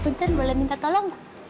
punten boleh minta tolong